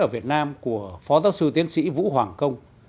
ở việt nam của phó giáo sư tiến sĩ vũ hoàng công